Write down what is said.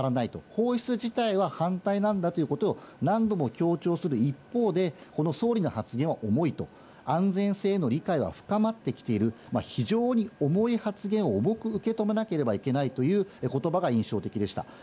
放出自体は反対なんだということを何度も強調する一方で、この総理の発言は重いと、安全性への理解は深まってきている非常に重い発言を重く受け止めなければいけないということばが印象的でした。